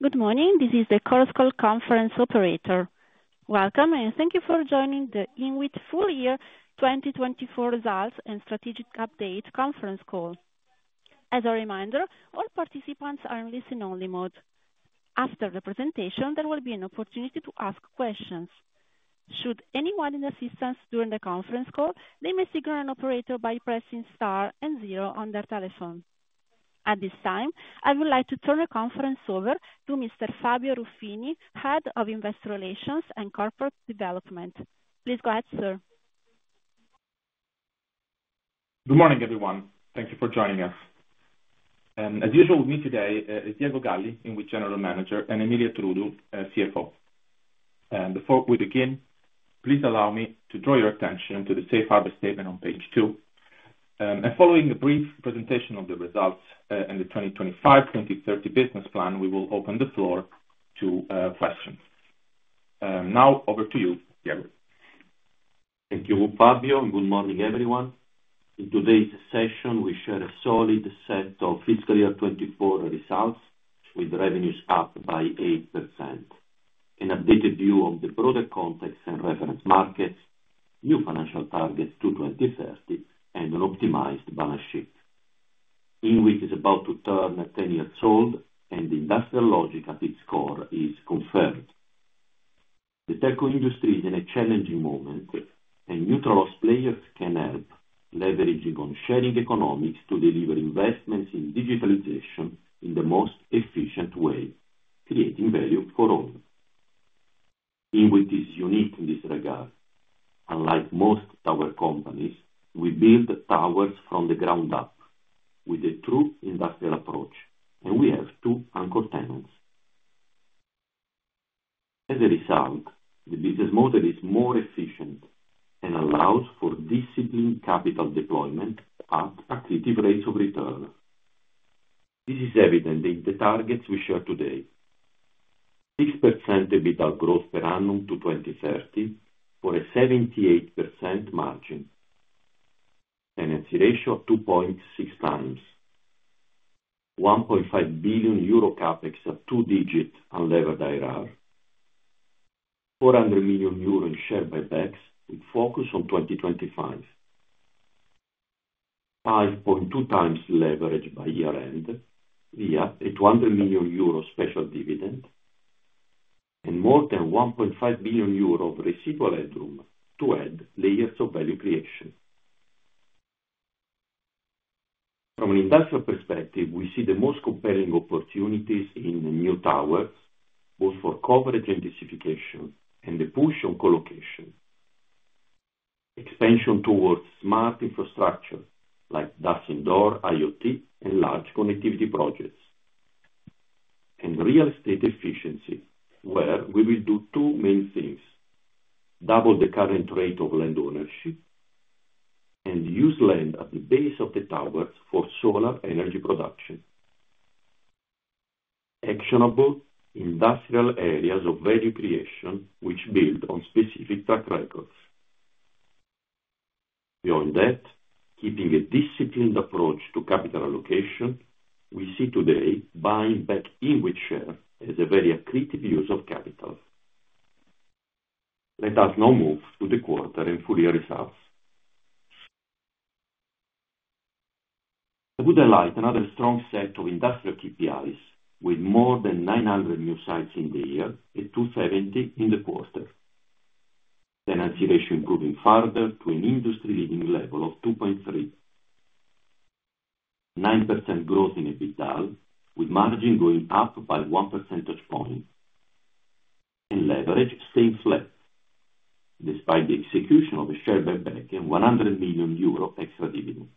Good morning, this is the Chorus Call conference operator. Welcome, and thank you for joining the INWIT Full Year 2024 Results and Strategic Update conference call. As a reminder, all participants are in listen-only mode. After the presentation, there will be an opportunity to ask questions. Should anyone need assistance during the conference call, they may signal an operator by pressing * and zero on their telephone. At this time, I would like to turn the conference over to Mr. Fabio Ruffini, Head of Investor Relations and Corporate Development. Please go ahead, sir. Good morning, everyone. Thank you for joining us. And as usual with me today is Diego Galli, INWIT General Manager, and Emilia Trudu, CFO. And before we begin, please allow me to draw your attention to the safe harbor statement on page two. And following a brief presentation of the results and the 2025-2030 business plan, we will open the floor to questions. Now, over to you, Diego. Thank you, Fabio, and good morning, everyone. In today's session, we share a solid set of fiscal year 2024 results with revenues up by 8%, an updated view of the broader context and reference markets, new financial targets to 2030, and an optimized balance sheet. INWIT is about to turn 10 years old, and the industrial logic at its core is confirmed. The tech industry is in a challenging moment, and neutral players can help, leveraging on sharing economics to deliver investments in digitalization in the most efficient way, creating value for all. INWIT is unique in this regard. Unlike most tower companies, we build towers from the ground up with a true industrial approach, and we have two anchor tenants. As a result, the business model is more efficient and allows for disciplined capital deployment at accretive rates of return. This is evident in the targets we share today: 6% EBITDA growth per annum to 2030 for a 78% margin, tenancy ratio of 2.6 times, 1.5 billion euro Capex of two digits unlevered IRR, 400 million euro in share buybacks with focus on 2025, 5.2 times leverage by year-end via a 200 million euro special dividend, and more than 1.5 billion euro of residual headroom to add layers of value creation. From an industrial perspective, we see the most compelling opportunities in new towers, both for coverage and densification, and the push on colocation, expansion towards smart infrastructure like DAS indoor, IoT, and large connectivity projects, and real estate efficiency, where we will do two main things: double the current rate of land ownership and use land at the base of the towers for solar energy production, actionable industrial areas of value creation which build on specific track records. Beyond that, keeping a disciplined approach to capital allocation, we see today buying back INWIT share as a very accretive use of capital. Let us now move to the quarter and full year results. I would highlight another strong set of industrial KPIs with more than 900 new sites in the year and 270 in the quarter, tenancy ratio improving further to an industry-leading level of 2.3, 9% growth in EBITDA with margin going up by one percentage point, and leverage staying flat despite the execution of a share buyback and 100 million euro extra dividend.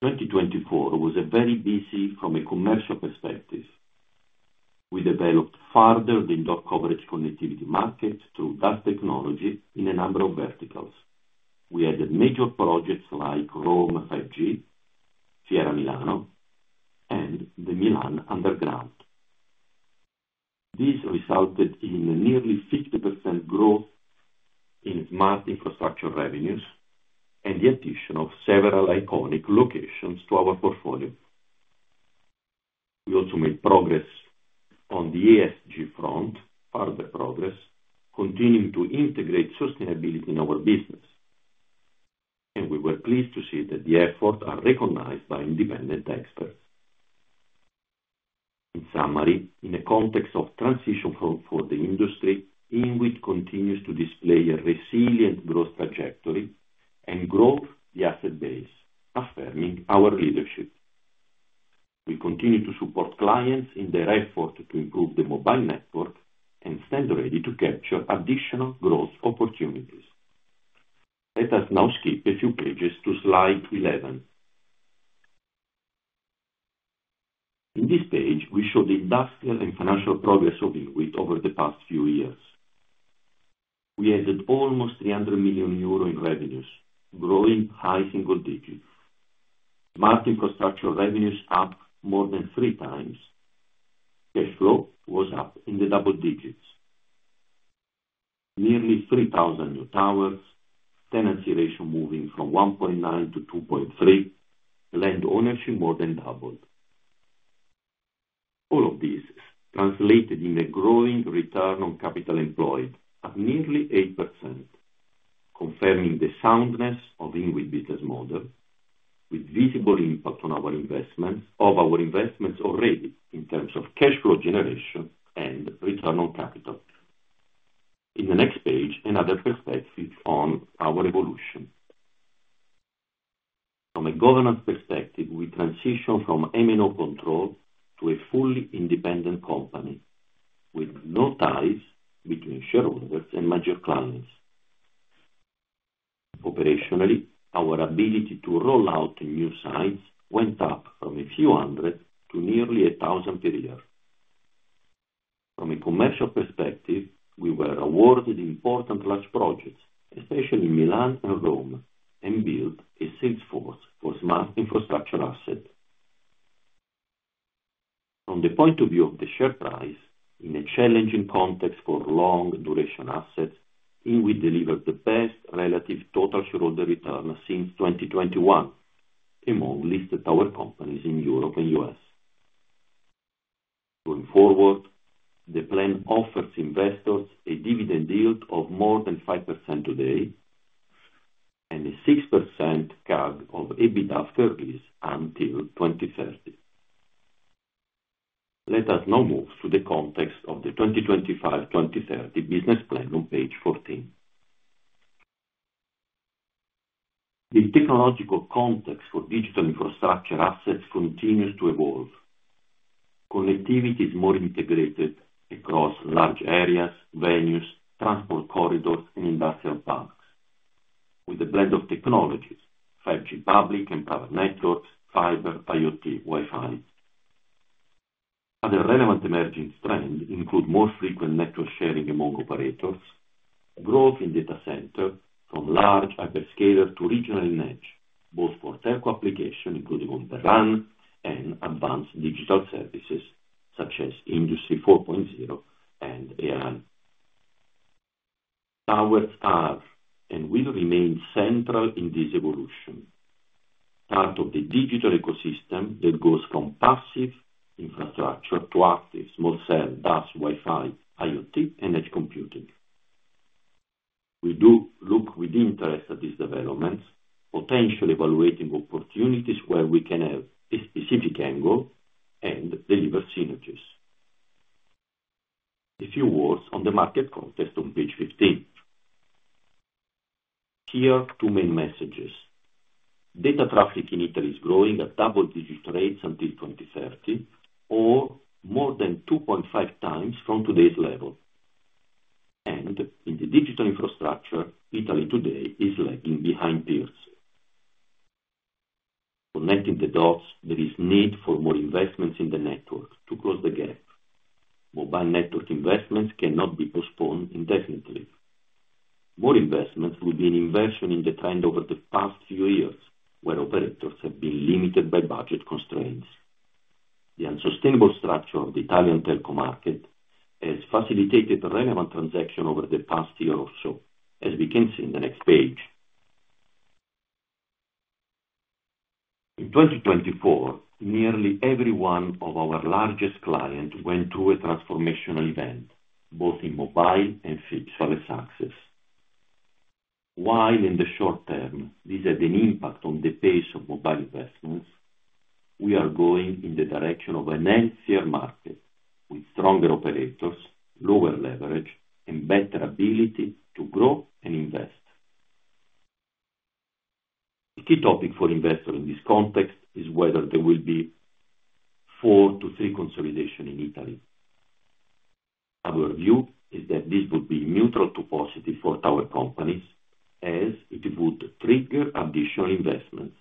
2024 was very busy from a commercial perspective. We developed further the indoor coverage connectivity market through DAS technology in a number of verticals. We had major projects like Roma 5G, Fiera Milano, and the Milan Underground. This resulted in nearly 50% growth in smart infrastructure revenues and the addition of several iconic locations to our portfolio. We also made progress on the ESG front, continuing to integrate sustainability in our business, and we were pleased to see that the efforts are recognized by independent experts. In summary, in a context of transition for the industry, INWIT continues to display a resilient growth trajectory and grow the asset base, affirming our leadership. We continue to support clients in their effort to improve the mobile network and stand ready to capture additional growth opportunities. Let us now skip a few pages to slide 11. In this page, we show the industrial and financial progress of INWIT over the past few years. We added almost 300 million euro in revenues, growing high single digits. Smart infrastructure revenues up more than three times. Cash flow was up in the double digits, nearly 3,000 new towers, tenancy ratio moving from 1.9 to 2.3, land ownership more than doubled. All of this translated in a growing return on capital employed at nearly 8%, confirming the soundness of INWIT business model with visible impact on our investments already in terms of cash flow generation and return on capital. In the next page, another perspective on our evolution. From a governance perspective, we transition from MNO control to a fully independent company with no ties between shareholders and major clients. Operationally, our ability to roll out new sites went up from a few hundred to nearly 1,000 per year. From a commercial perspective, we were awarded important large projects, especially in Milan and Rome, and built a sales force for smart infrastructure assets. From the point of view of the share price, in a challenging context for long-duration assets, INWIT delivers the best relative total shareholder return since 2021 among listed tower companies in Europe and the U.S. Going forward, the plan offers investors a dividend yield of more than 5% today and a 6% CAGR of EBITDA after leases until 2030. Let us now move to the context of the 2025-2030 business plan on page 14. The technological context for digital infrastructure assets continues to evolve. Connectivity is more integrated across large areas, venues, transport corridors, and industrial parks, with a blend of technologies: 5G public and private networks, fiber, IoT, Wi-Fi. Other relevant emerging trends include more frequent network sharing among operators, growth in data centers from large hyperscalers to regional in nature, both for telco applications including on-demand and advanced digital services such as Industry 4.0 and AR. Towers are and will remain central in this evolution, part of the digital ecosystem that goes from passive infrastructure to active small cell, DAS, Wi-Fi, IoT, and edge computing. We do look with interest at these developments, potentially evaluating opportunities where we can have a specific angle and deliver synergies. A few words on the market context on page 15. Here, two main messages. Data traffic in Italy is growing at double-digit rates until 2030, or more than 2.5 times from today's level, and in the digital infrastructure, Italy today is lagging behind peers. Connecting the dots, there is need for more investments in the network to close the gap. Mobile network investments cannot be postponed indefinitely. More investments would mean inversion in the trend over the past few years, where operators have been limited by budget constraints. The unsustainable structure of the Italian telco market has facilitated relevant transactions over the past year or so, as we can see in the next page. In 2024, nearly every one of our largest clients went through a transformational event, both in mobile and fixed service access. While in the short term, this had an impact on the pace of mobile investments, we are going in the direction of a healthier market with stronger operators, lower leverage, and better ability to grow and invest. The key topic for investors in this context is whether there will be four to three consolidations in Italy. Our view is that this would be neutral to positive for tower companies, as it would trigger additional investments.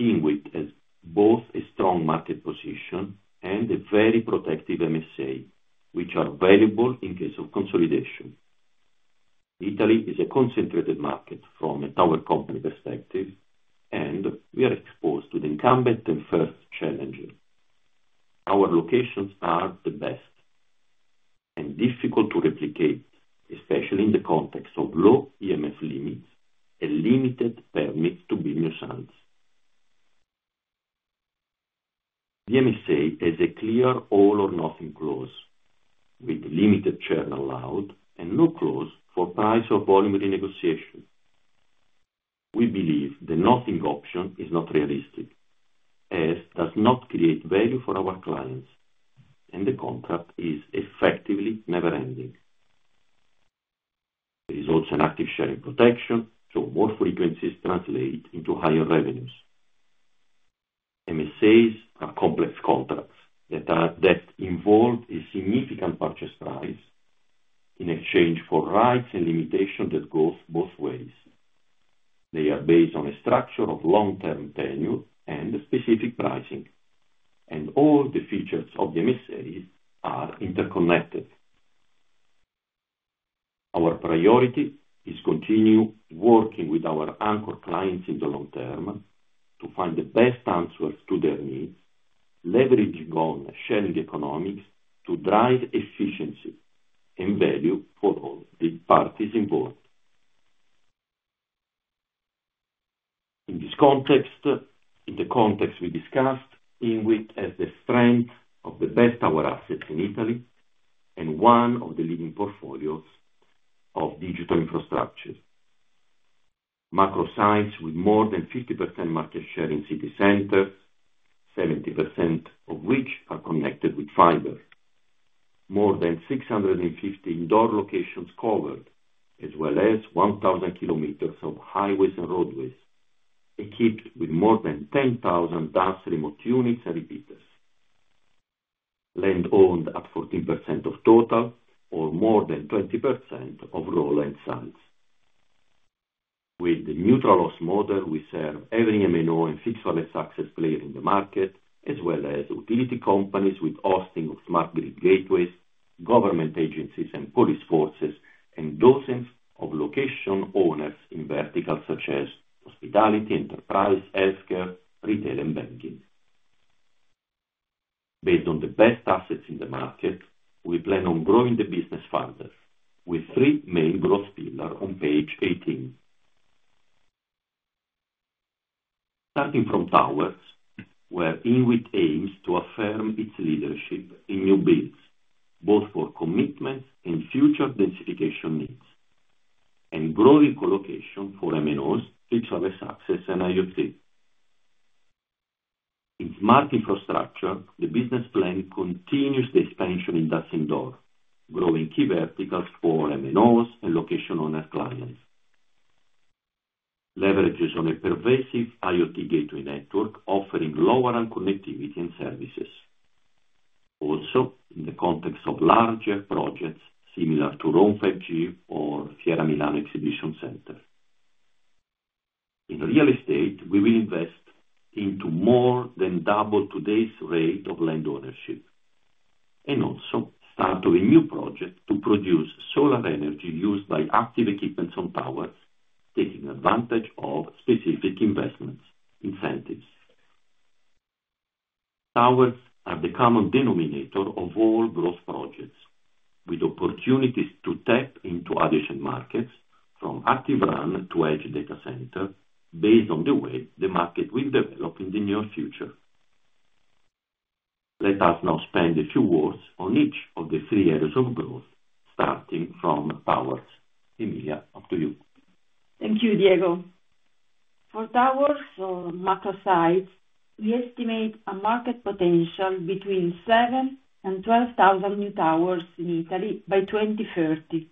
INWIT has both a strong market position and a very protective MSA, which are valuable in case of consolidation. Italy is a concentrated market from a tower company perspective, and we are exposed to the incumbent and first challenger. Our locations are the best and difficult to replicate, especially in the context of low EMF limits and limited permits to build new sites. The MSA has a clear all-or-nothing clause, with limited share allowed and no clause for price or volume renegotiation. We believe the nothing option is not realistic, as it does not create value for our clients, and the contract is effectively never-ending. There is also an active sharing protection, so more frequencies translate into higher revenues. MSAs are complex contracts that involve a significant purchase price in exchange for rights and limitations that go both ways. They are based on a structure of long-term tenure and specific pricing, and all the features of the MSAs are interconnected. Our priority is to continue working with our anchor clients in the long term to find the best answers to their needs, leveraging on sharing economics to drive efficiency and value for all the parties involved. In this context, in the context we discussed, INWIT has the strength of the best tower assets in Italy and one of the leading portfolios of digital infrastructure. Macro sites with more than 50% market share in city centers, 70% of which are connected with fiber, more than 650 indoor locations covered, as well as 1,000 kilometers of highways and roadways equipped with more than 10,000 DAS remote units and repeaters, land owned at 14% of total or more than 20% of raw land sites. With the neutral host model, we serve every MNO and fixed service access player in the market, as well as utility companies with hosting of smart grid gateways, government agencies, and police forces, and dozens of location owners in verticals such as hospitality, enterprise, healthcare, retail, and banking. Based on the best assets in the market, we plan on growing the business further with three main growth pillars on page 18. Starting from towers, where INWIT aims to affirm its leadership in new builds, both for commitments and future densification needs, and growing colocation for MNOs, fixed service access, and IoT. In smart infrastructure, the business plan continues the expansion in DAS indoor, growing key verticals for MNOs and location-owner clients, leveraging on a pervasive IoT gateway network offering lower-end connectivity and services, also in the context of larger projects similar to Roma 5G or Fiera Milano Exhibition Center. In real estate, we will invest into more than double today's rate of land ownership and also start a new project to produce solar energy used by active equipment on towers, taking advantage of specific investment incentives. Towers are the common denominator of all growth projects, with opportunities to tap into additional markets from active RAN to edge data center based on the way the market will develop in the near future. Let us now spend a few words on each of the three areas of growth, starting from towers. Emilia, up to you. Thank you, Diego. For towers or macro sites, we estimate a market potential between 7,000 and 12,000 new towers in Italy by 2030.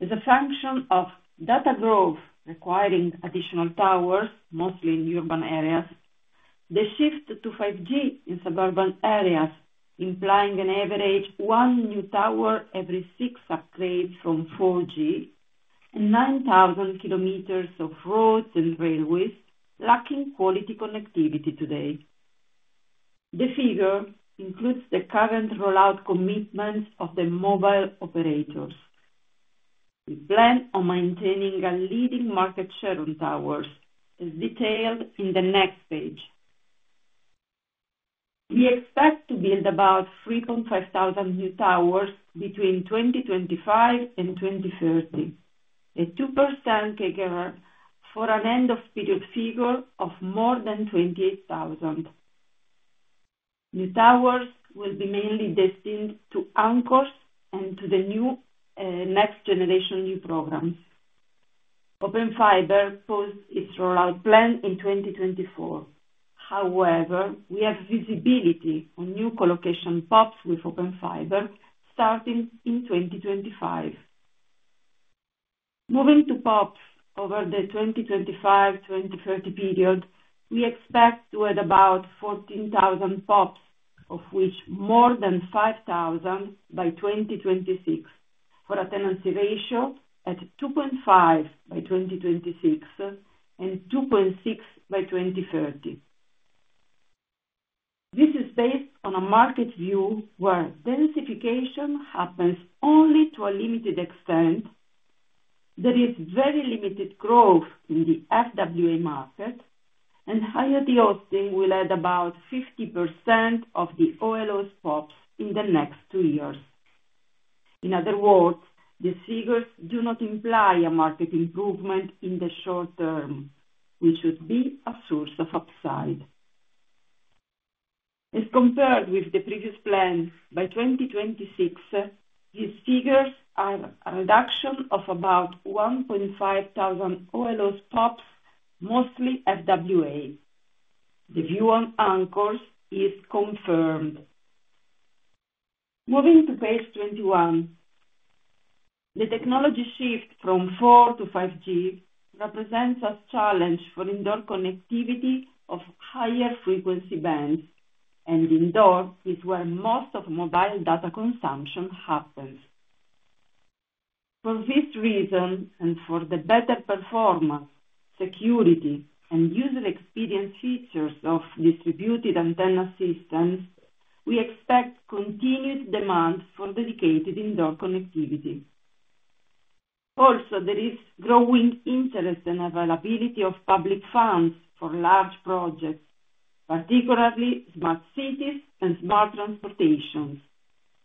As a function of data growth requiring additional towers, mostly in urban areas, the shift to 5G in suburban areas implying an average one new tower every six upgrades from 4G, and 9,000 km of roads and railways lacking quality connectivity today. The figure includes the current rollout commitments of the mobile operators. We plan on maintaining a leading market share on towers, as detailed in the next page. We expect to build about 3.5 thousand new towers between 2025 and 2030, a 2% figure for an end-of-period figure of more than 28,000. New towers will be mainly destined to anchors and to the new NextGenerationEU programs. Open Fiber paused its rollout plan in 2024. However, we have visibility on new colocation POPs with Open Fiber starting in 2025. Moving to POPs over the 2025-2030 period, we expect to add about 14,000 POPs, of which more than 5,000 by 2026, for a tenancy ratio at 2.5 by 2026 and 2.6 by 2030. This is based on a market view where densification happens only to a limited extent, there is very limited growth in the FWA market, and higher de-hosting will add about 50% of the OLOs POPs in the next two years. In other words, these figures do not imply a market improvement in the short term, which should be a source of upside. As compared with the previous plan, by 2026, these figures are a reduction of about 1.5 thousand OLOs POPs, mostly FWA. The view on anchors is confirmed. Moving to page 21. The technology shift from 4 to 5G represents a challenge for indoor connectivity of higher frequency bands, and indoors is where most of mobile data consumption happens. For this reason and for the better performance, security, and user experience features of distributed antenna systems, we expect continued demand for dedicated indoor connectivity. Also, there is growing interest and availability of public funds for large projects, particularly smart cities and smart transportation,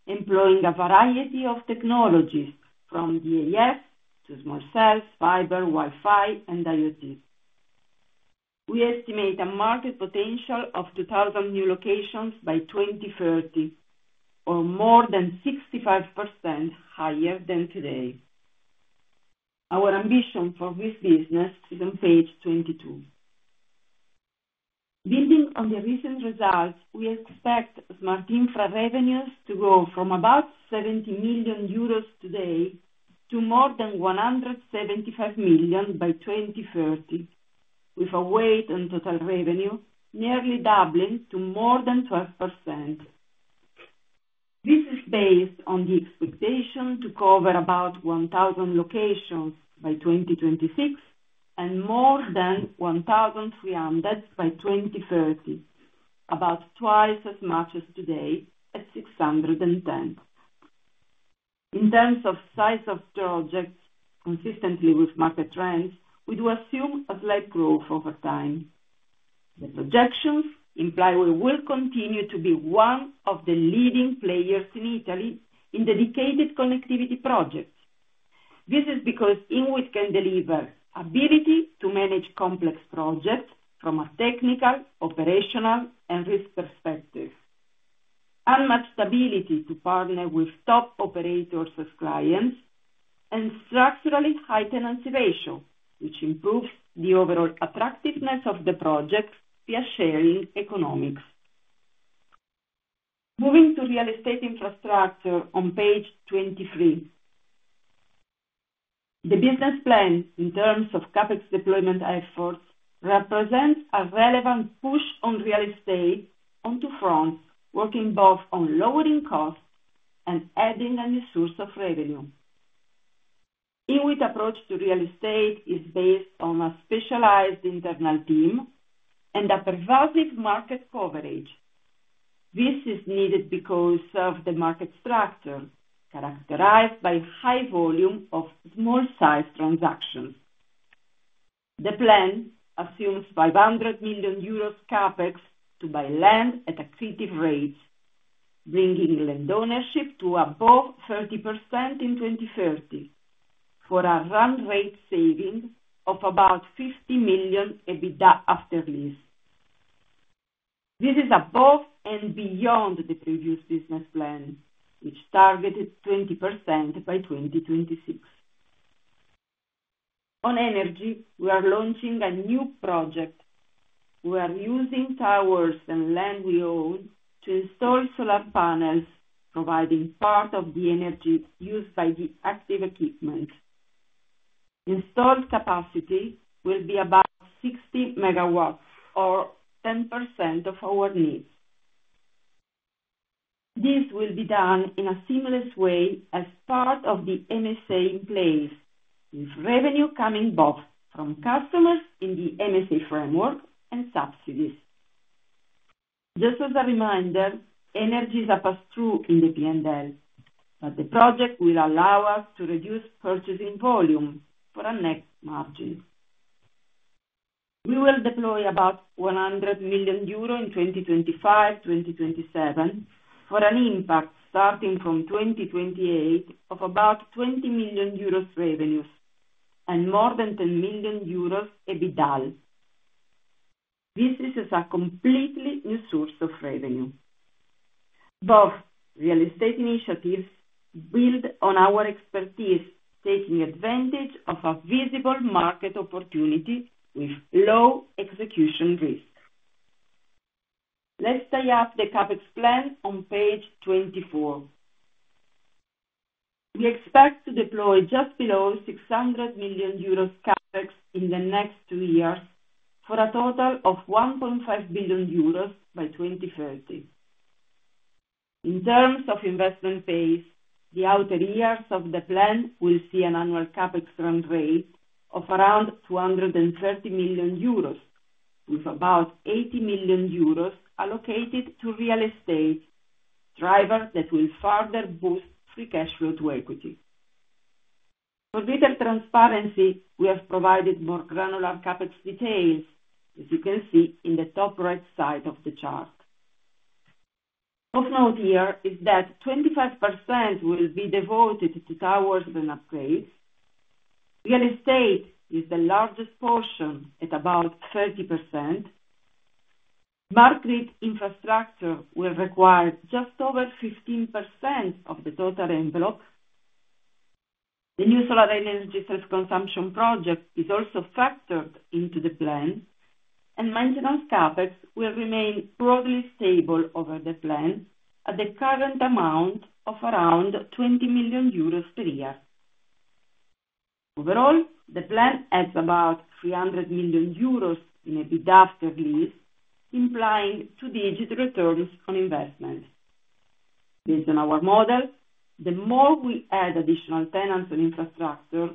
employing a variety of technologies from DAS to small cells, fiber, Wi-Fi, and IoT. We estimate a market potential of 2,000 new locations by 2030, or more than 65% higher than today. Our ambition for this business is on page 22. Building on the recent results, we expect smart infra revenues to grow from about 70 million euros today to more than 175 million by 2030, with a weight on total revenue nearly doubling to more than 12%. This is based on the expectation to cover about 1,000 locations by 2026 and more than 1,300 by 2030, about twice as much as today at 610. In terms of size of projects, consistently with market trends, we do assume a slight growth over time. The projections imply we will continue to be one of the leading players in Italy in dedicated connectivity projects. This is because INWIT can deliver ability to manage complex projects from a technical, operational, and risk perspective, unmatched ability to partner with top operators as clients, and structurally high tenancy ratio, which improves the overall attractiveness of the projects via sharing economics. Moving to real estate infrastructure on page 23. The business plan in terms of Capex deployment efforts represents a relevant push on real estate on two fronts, working both on lowering costs and adding a new source of revenue. INWIT's approach to real estate is based on a specialized internal team and a pervasive market coverage. This is needed because of the market structure characterized by high volume of small-sized transactions. The plan assumes 500 million euros capex to buy land at accretive rates, bringing land ownership to above 30% in 2030 for a run rate saving of about 50 million EBITDA after lease. This is above and beyond the previous business plan, which targeted 20% by 2026. On energy, we are launching a new project. We are using towers and land we own to install solar panels, providing part of the energy used by the active equipment. Installed capacity will be about 60 megawatts, or 10% of our needs. This will be done in a seamless way as part of the MSA in place, with revenue coming both from customers in the MSA framework and subsidies. Just as a reminder, energy is a pass-through in the P&L, but the project will allow us to reduce purchasing volume for a net margin. We will deploy about 100 million euro in 2025-2027 for an impact starting from 2028 of about 20 million euros revenues and more than 10 million euros EBITDA. This is a completely new source of revenue. Both real estate initiatives build on our expertise, taking advantage of a visible market opportunity with low execution risk. Let's tie up the CapEx plan on page 24. We expect to deploy just below 600 million euros CapEx in the next two years for a total of 1.5 billion euros by 2030. In terms of investment phase, the outer years of the plan will see an annual Capex run rate of around 230 million euros, with about 80 million euros allocated to real estate, drivers that will further boost free cash flow to equity. For better transparency, we have provided more granular Capex details, as you can see in the top right side of the chart. Of note here is that 25% will be devoted to towers and upgrades. Real estate is the largest portion at about 30%. Smart grid infrastructure will require just over 15% of the total envelope. The new solar energy self-consumption project is also factored into the plan, and maintenance Capex will remain broadly stable over the plan at the current amount of around 20 million euros per year. Overall, the plan adds about 300 million euros in EBITDA after lease, implying two-digit returns on investment. Based on our model, the more we add additional tenants on infrastructure,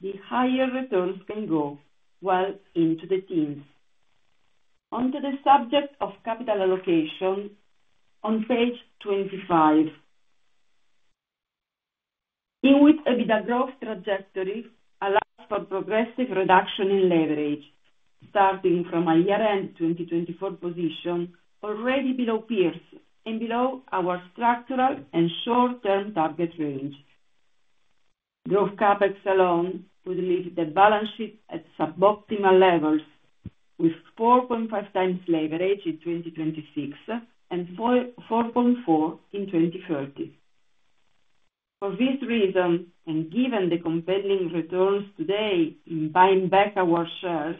the higher returns can go, well, into the teens. Onto the subject of capital allocation on page 25. INWIT's EBITDA growth trajectory allows for progressive reduction in leverage, starting from a year-end 2024 position already below peers and below our structural and short-term target range. Growth CapEx alone would leave the balance sheet at suboptimal levels, with 4.5 times leverage in 2026 and 4.4 in 2030. For this reason, and given the compelling returns today in buying back our shares,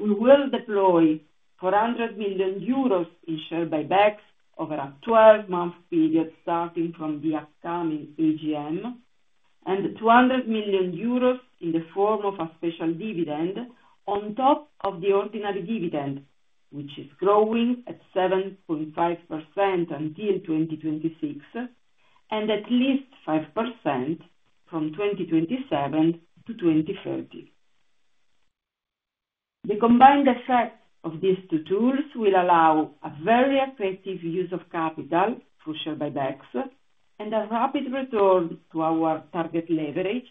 we will deploy 400 million euros in share buybacks over a 12-month period starting from the upcoming AGM, and 200 million euros in the form of a special dividend on top of the ordinary dividend, which is growing at 7.5% until 2026, and at least 5% from 2027 to 2030. The combined effect of these two tools will allow a very effective use of capital through share buybacks and a rapid return to our target leverage,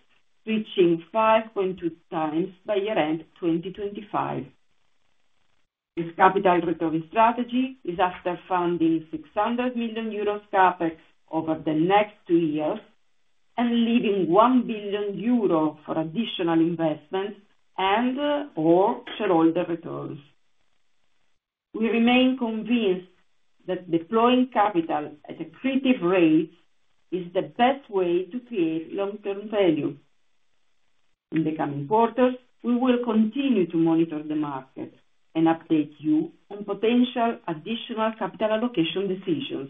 reaching 5.2 times by year-end 2025. This capital return strategy is after funding 600 million euros CapEx over the next two years and leaving 1 billion euro for additional investments and/or shareholder returns. We remain convinced that deploying capital at accretive rates is the best way to create long-term value. In the coming quarters, we will continue to monitor the market and update you on potential additional capital allocation decisions.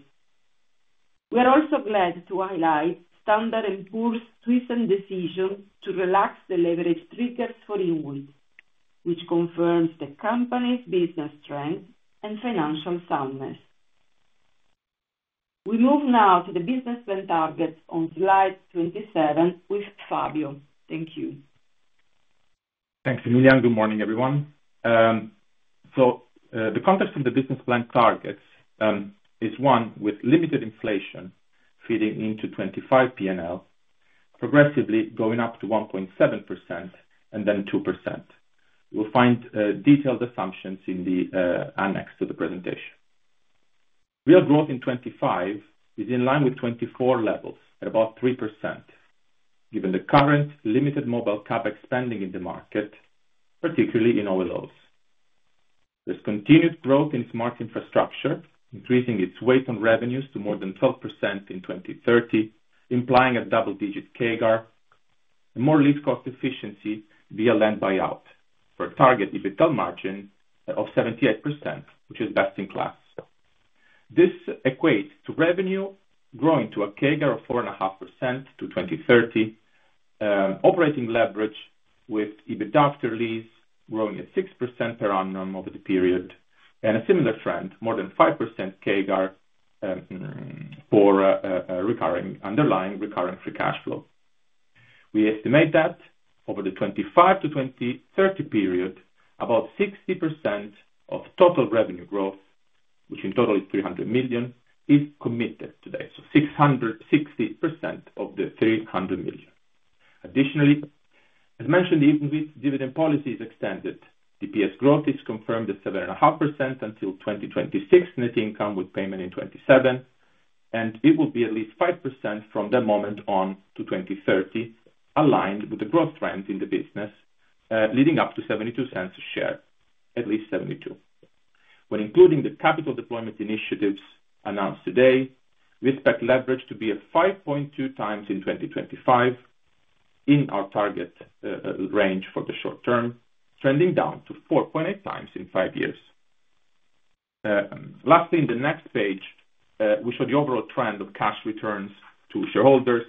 We are also glad to highlight Standard & Poor's recent decision to relax the leverage triggers for INWIT, which confirms the company's business strength and financial soundness. We move now to the business plan targets on slide 27 with Fabio. Thank you. Thanks, Emilia. Good morning, everyone. So, the context of the business plan targets is one with limited inflation feeding into 2025 P&L, progressively going up to 1.7% and then 2%. You will find detailed assumptions in the annex to the presentation. Real growth in 2025 is in line with 2024 levels at about 3%, given the current limited mobile CapEx spending in the market, particularly in OLOs. There's continued growth in smart infrastructure, increasing its weight on revenues to more than 12% in 2030, implying a double-digit CAGR and more lease cost efficiency via land buyout for a target EBITDA margin of 78%, which is best in class. This equates to revenue growing to a CAGR of 4.5% to 2030, operating leverage with EBITDA after lease growing at 6% per annum over the period, and a similar trend, more than 5% CAGR, for recurring underlying recurring free cash flow. We estimate that over the 2025 to 2030 period, about 60% of total revenue growth, which in total is 300 million, is committed today, so 60% of the 300 million. Additionally, as mentioned, INWIT's dividend policy is extended. The DPS growth is confirmed at 7.5% until 2026 net income with payment in 2027, and it will be at least 5% from the moment on to 2030, aligned with the growth trend in the business, leading up to 72 cents a share, at least 72. When including the capital deployment initiatives announced today, we expect leverage to be at 5.2 times in 2025 in our target range for the short term, trending down to 4.8 times in five years. Lastly, in the next page, we show the overall trend of cash returns to shareholders,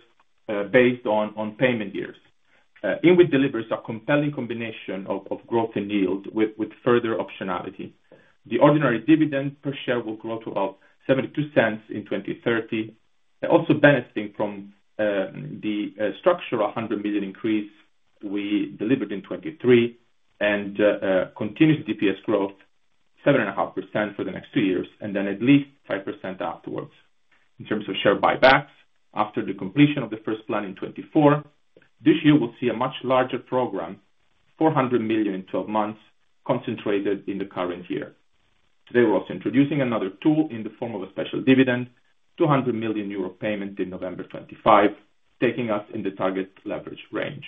based on payment years. INWIT delivers a compelling combination of growth and yield with further optionality. The ordinary dividend per share will grow to about 0.72 in 2030, also benefiting from the structural 100 million increase we delivered in 2023 and continuous DPS growth, 7.5% for the next two years, and then at least 5% afterwards. In terms of share buybacks, after the completion of the first plan in 2024, this year we'll see a much larger program, 400 million in 12 months, concentrated in the current year. Today, we're also introducing another tool in the form of a special dividend, 200 million euro payment in November 2025, taking us in the target leverage range.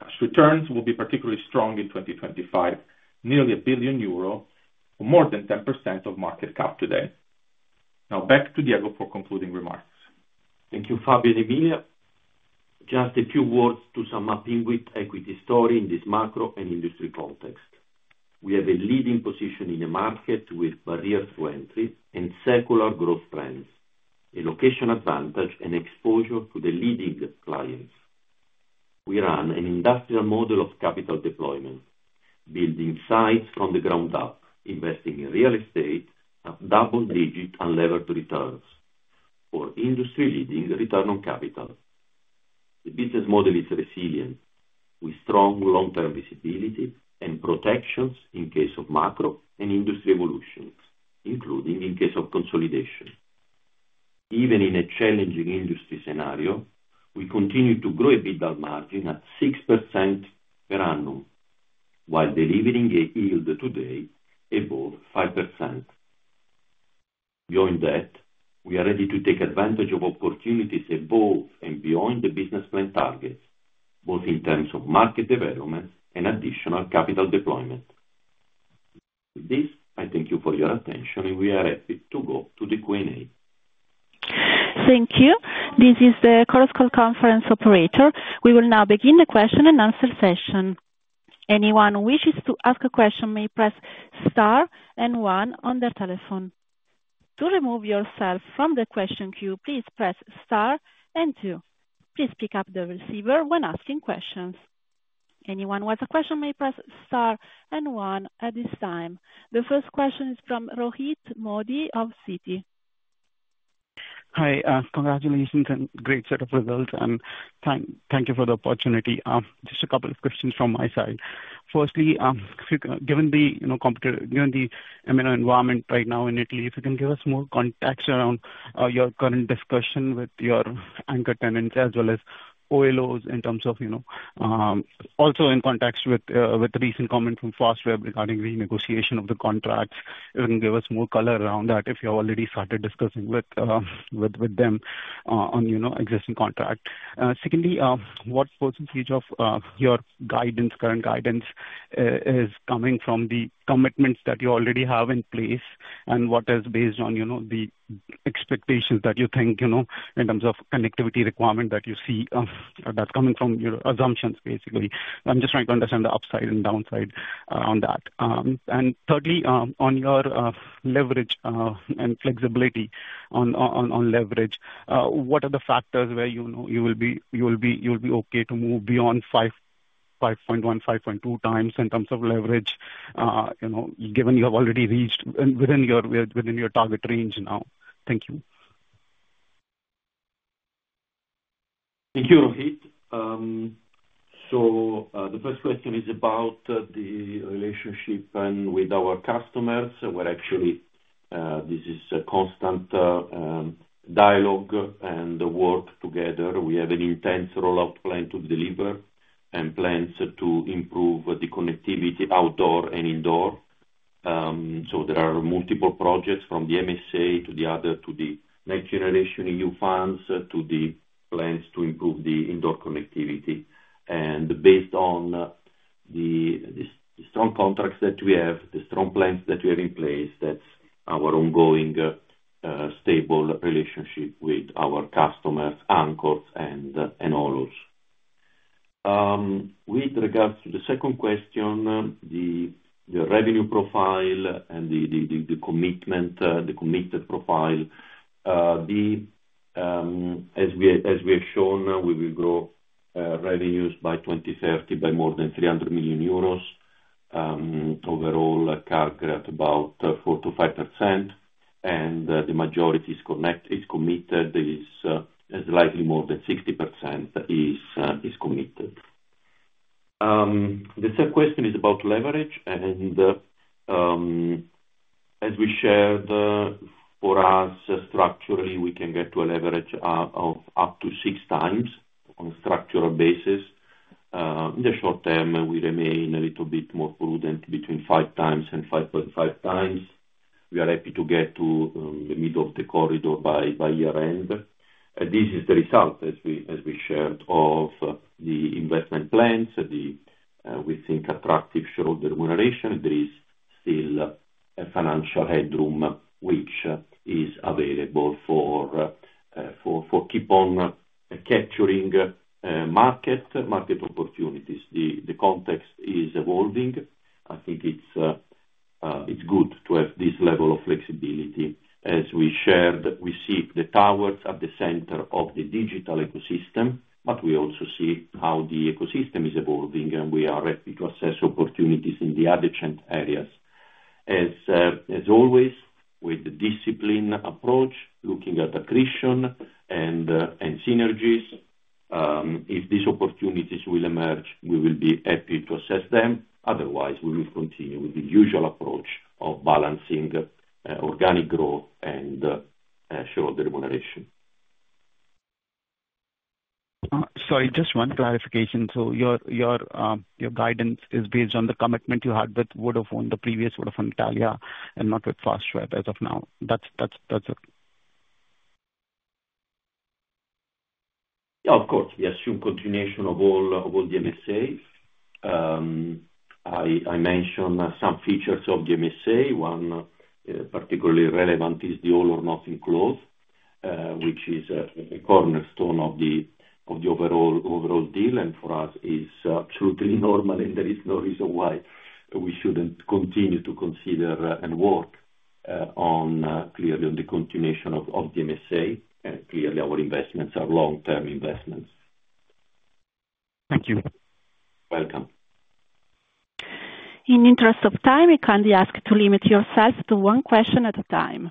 Cash returns will be particularly strong in 2025, nearly 1 billion euro, or more than 10% of market cap today. Now, back to Diego for concluding remarks. Thank you, Fabio and Emilia. Just a few words to sum up INWIT's equity story in this macro and industry context. We have a leading position in a market with barriers to entry and secular growth trends, a location advantage, and exposure to the leading clients. We run an industrial model of capital deployment, building sites from the ground up, investing in real estate at double-digit unlevered returns or industry-leading return on capital. The business model is resilient, with strong long-term visibility and protections in case of macro and industry evolutions, including in case of consolidation. Even in a challenging industry scenario, we continue to grow EBITDA margin at 6% per annum, while delivering a yield today above 5%. Beyond that, we are ready to take advantage of opportunities above and beyond the business plan targets, both in terms of market development and additional capital deployment. With this, I thank you for your attention, and we are ready to go to the Q&A. Thank you. This is the Chorus Call Conference Operator. We will now begin the question and answer session. Anyone who wishes to ask a question may press * and one on their telephone. To remove yourself from the question queue, please press * and two. Please pick up the receiver when asking questions. Anyone who has a question may press * and one at this time. The first question is from Rohit Modi of Citi. Hi, congratulations and great set of results, and thank you for the opportunity. Just a couple of questions from my side. Firstly, given the, you know, current, given the M&A environment right now in Italy, if you can give us more context around your current discussion with your anchor tenants as well as OLOs in terms of, you know, also in context with, with the recent comment from Fastweb regarding renegotiation of the contracts. If you can give us more color around that, if you have already started discussing with them, on, you know, existing contract. Secondly, what percentage of your guidance, current guidance, is coming from the commitments that you already have in place and what is based on, you know, the expectations that you think, you know, in terms of connectivity requirement that you see, that's coming from your assumptions, basically. I'm just trying to understand the upside and downside around that. And thirdly, on your leverage and flexibility on leverage, what are the factors where, you know, you will be okay to move beyond 5.1, 5.2 times in terms of leverage, you know, given you have already reached within your target range now? Thank you. Thank you, Rohit. The first question is about the relationship with our customers. We're actually, this is a constant dialogue and work together. We have an intense rollout plan to deliver and plans to improve the connectivity outdoor and indoor. There are multiple projects from the MSA to the other to the NextGenerationEU funds to the plans to improve the indoor connectivity. Based on the strong contracts that we have, the strong plans that we have in place, that's our ongoing, stable relationship with our customers, anchors, and OLOs. With regards to the second question, the revenue profile and the commitment, the committed profile, as we have shown, we will grow revenues by 2030 by more than 300 million euros. Overall, CAGR at about 4-5%, and the majority is committed, likely more than 60% is committed. The third question is about leverage, and as we shared, for us, structurally, we can get to a leverage of up to six times on a structural basis. In the short term, we remain a little bit more prudent between five times and 5.5 times. We are happy to get to the middle of the corridor by year-end. This is the result, as we shared, of the investment plans, we think attractive shareholder remuneration. There is still a financial headroom which is available for keep on capturing market opportunities. The context is evolving. I think it's good to have this level of flexibility. As we shared, we see the towers at the center of the digital ecosystem, but we also see how the ecosystem is evolving, and we are happy to assess opportunities in the adjacent areas. As always, with the disciplined approach, looking at accretion and synergies, if these opportunities will emerge, we will be happy to assess them. Otherwise, we will continue with the usual approach of balancing organic growth and shareholder remuneration. Sorry, just one clarification. So your guidance is based on the commitment you had with Vodafone, the previous Vodafone Italia, and not with Fastweb as of now. That's it. Yeah, of course. We assume continuation of all the MSAs. I mentioned some features of the MSA. One particularly relevant is the all-or-nothing clause, which is a cornerstone of the overall deal, and for us, it's absolutely normal, and there is no reason why we shouldn't continue to consider and work on the continuation of the MSA, and clearly our investments are long-term investments. Thank you. Welcome. In the interest of time, we kindly ask to limit yourselves to one question at a time.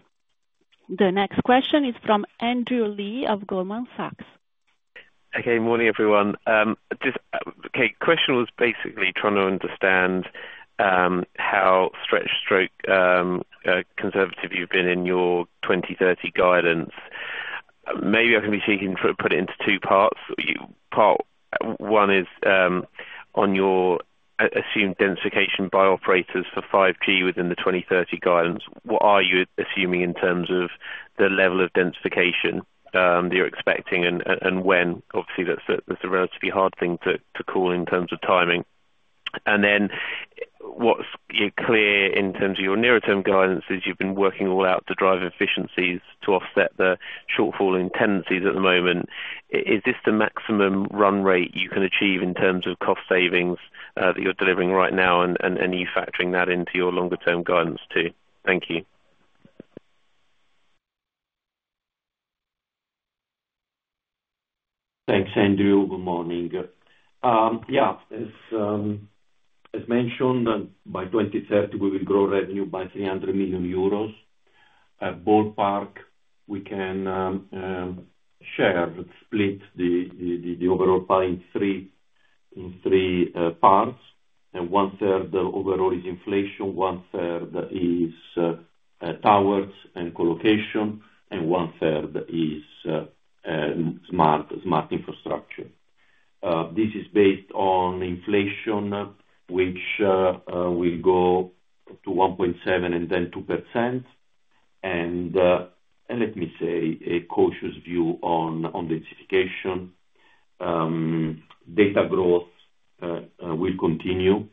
The next question is from Andrew Lee of Goldman Sachs. Good morning, everyone. Just, okay, question was basically trying to understand how stretched or conservative you've been in your 2030 guidance. Maybe I can break it into two parts. Your part one is on your assumed densification by operators for 5G within the 2030 guidance. What are you assuming in terms of the level of densification that you're expecting and when? Obviously, that's a relatively hard thing to call in terms of timing. And then what's clear in terms of your nearer-term guidance is you've been working all out to drive efficiencies to offset the shortfall in tenancies at the moment. Is this the maximum run rate you can achieve in terms of cost savings that you're delivering right now and are you factoring that into your longer-term guidance too? Thank you. Thanks, Andrew. Good morning. Yeah, as mentioned, by 2030, we will grow revenue by 300 million euros. Ballpark, we can share split the overall plan in three parts, and one third overall is inflation, one third is towers and colocation, and one third is smart infrastructure. This is based on inflation, which will go to 1.7% and then 2%, and let me say a cautious view on densification. Data growth will continue,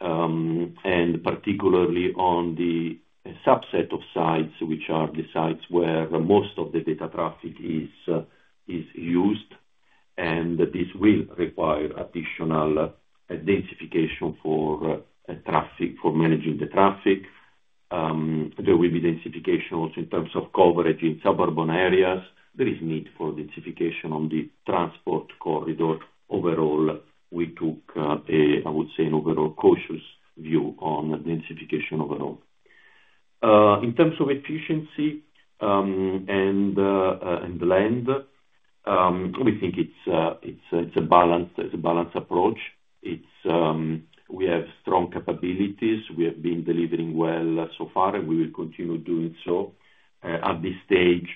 and particularly on the subset of sites, which are the sites where most of the data traffic is used, and this will require additional densification for traffic for managing the traffic. There will be densification also in terms of coverage in suburban areas. There is need for densification on the transport corridor. Overall, we took a, I would say, an overall cautious view on densification overall. In terms of efficiency and land, we think it's a balanced approach. It's. We have strong capabilities. We have been delivering well so far, and we will continue doing so, at this stage.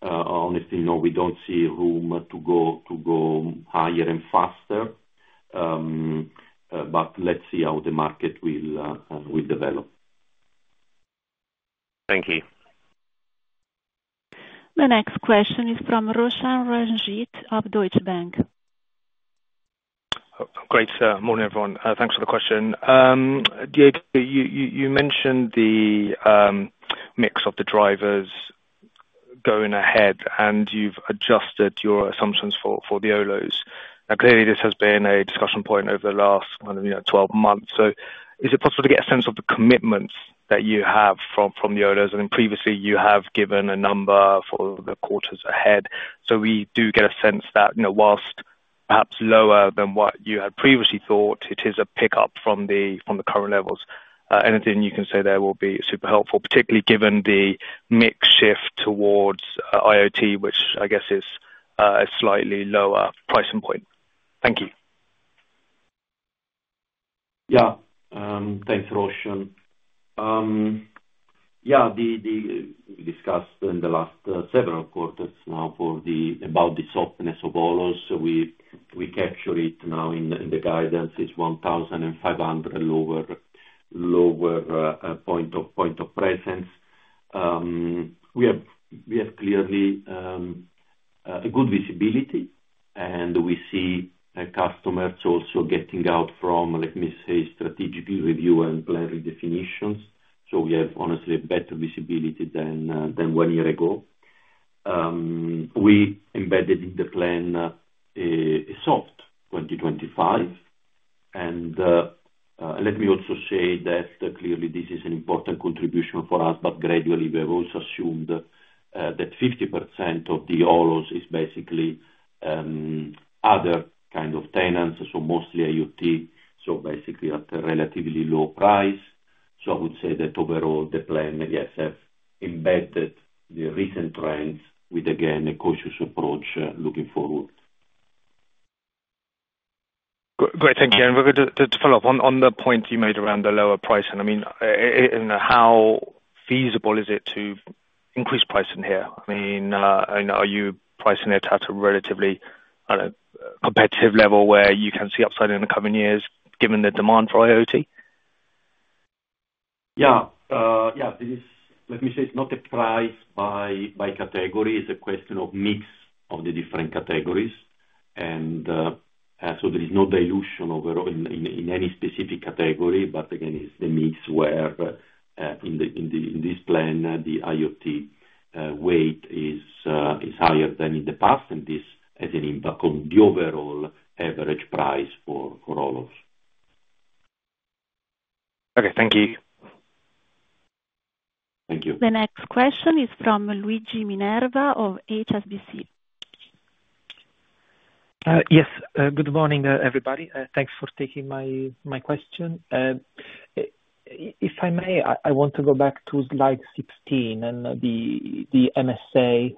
Honestly, no, we don't see room to go higher and faster. But let's see how the market will develop. Thank you. The next question is from Roshan Ranjit of Deutsche Bank. Good morning, everyone. Thanks for the question. Diego, you mentioned the mix of the drivers going ahead, and you've adjusted your assumptions for the OLOs. Now, clearly, this has been a discussion point over the last kind of, you know, 12 months. So is it possible to get a sense of the commitments that you have from the OLOs? I mean, previously, you have given a number for the quarters ahead. So we do get a sense that, you know, while perhaps lower than what you had previously thought, it is a pickup from the current levels. Anything you can say there will be super helpful, particularly given the mix shift towards IoT, which I guess is a slightly lower pricing point. Thank you. Yeah. Thanks, Roshan. Yeah, the. We discussed in the last several quarters now about the softness of OLOs. We capture it now in the guidance: 1,500 lower points of presence. We have clearly a good visibility, and we see customers also getting out from, let me say, strategic review and plan redefinitions. So we have honestly a better visibility than one year ago. We embedded in the plan a soft 2025. Let me also say that clearly this is an important contribution for us, but gradually we have also assumed that 50% of the OLOs is basically other kind of tenants, so mostly IoT, so basically at a relatively low price. I would say that overall the plan yes have embedded the recent trends with again a cautious approach looking forward. Great, thank you. We're going to follow up on the points you made around the lower pricing. I mean, how feasible is it to increase pricing here? I mean, are you pricing it at a relatively competitive level where you can see upside in the coming years given the demand for IoT? Yeah, this is, let me say, it's not a price by category. It's a question of mix of the different categories. So there is no dilution overall in any specific category. But again, it's the mix where, in this plan, the IoT weight is higher than in the past, and this has an impact on the overall average price for OLOs. Okay, thank you. Thank you. The next question is from Luigi Minerva of HSBC. Yes. Good morning, everybody. Thanks for taking my question. If I may, I want to go back to slide 16 and the MSA,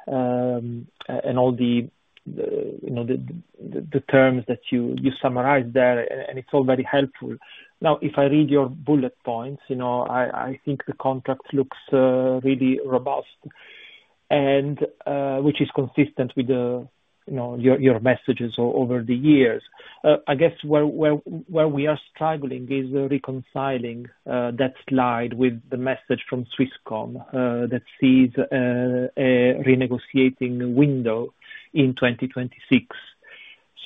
and all the, you know, the terms that you summarized there, and it's all very helpful. Now, if I read your bullet points, you know, I think the contract looks really robust and, which is consistent with the, you know, your messages over the years. I guess where we are struggling is reconciling that slide with the message from Swisscom that sees a renegotiating window in 2026.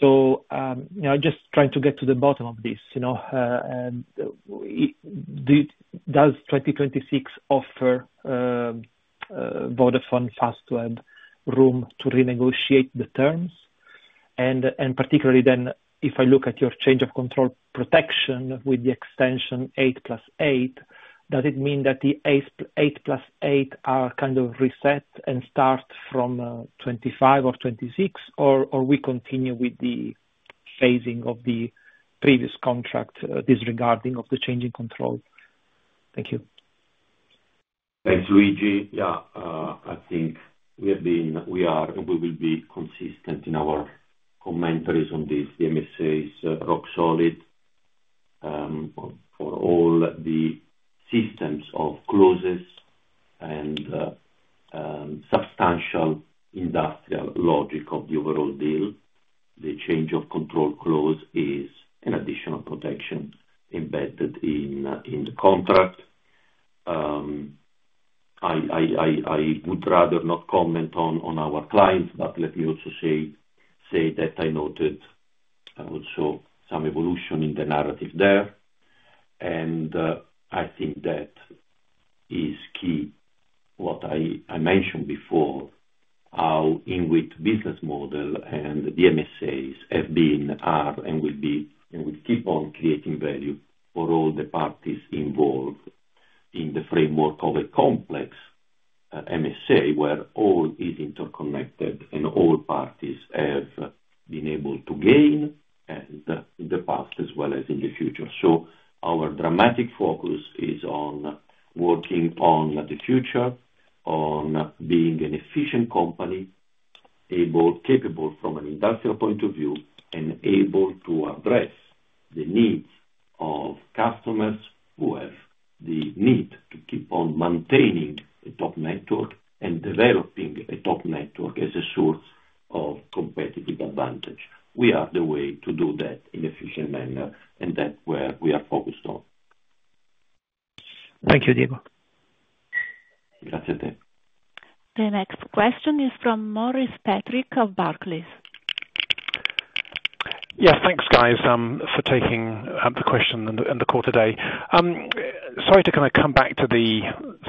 So, you know, I'm just trying to get to the bottom of this, you know, does 2026 offer Vodafone Fastweb room to renegotiate the terms? And particularly then if I look at your change of control protection with the extension 8 plus 8, does it mean that the 8 plus 8 are kind of reset and start from 25 or 26, or we continue with the phasing of the previous contract disregarding the change of control? Thank you. Thanks, Luigi. Yeah, I think we have been, we are, and we will be consistent in our commentaries on this. The MSA is rock solid for all intents and purposes and substantial industrial logic of the overall deal. The change of control clause is an additional protection embedded in the contract. I would rather not comment on our clients, but let me also say that I noted also some evolution in the narrative there, and I think that is key, what I mentioned before, how INWIT business model and the MSAs have been, are, and will be, and will keep on creating value for all the parties involved in the framework of a complex MSA where all is interconnected and all parties have been able to gain and in the past as well as in the future. So our dramatic focus is on working on the future, on being an efficient company, able, capable from an industrial point of view, and able to address the needs of customers who have the need to keep on maintaining a top network and developing a top network as a source of competitive advantage. We are the way to do that in an efficient manner, and that's where we are focused on. Thank you, Diego. Grazie a te. The next question is from Maurice Patrick of Barclays. Yeah, thanks, guys, for taking the question in the call today. Sorry to kind of come back to the